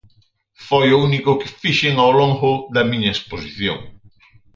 Foi o único que fixen ao longo da miña exposición.